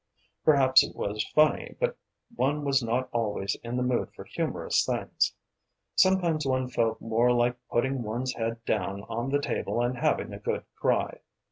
Perhaps it was funny, but one was not always in the mood for humorous things. Sometimes one felt more like putting one's head down on the table and having a good cry.